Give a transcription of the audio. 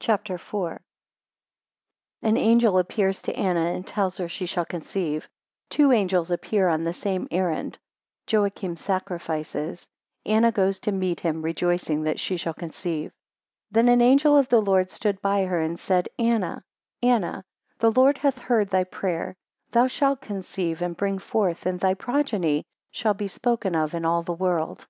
CHAPTER IV. 1 An Angel appears to Anna and tells her she shall conceive; two angels appear on the same errand. 5 Joachim sacrifices. 8 Anna goes to meet him, 9 rejoicing that she shall conceive. THEN an angel of the Lord stood by her and said, Anna, Anna, the Lord hath heard thy prayer; thou shalt conceive and bring forth, and thy progeny shall be spoken of in all the world.